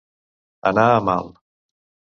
Anar a mal.